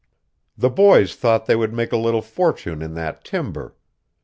The boys thought they would make a little fortune in that timber.